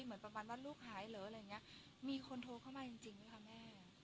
เหมือนประมาณว่าลูกหายเหรออะไรอย่างเงี้ยมีคนโทรเข้ามาจริงจริงไหมคะแม่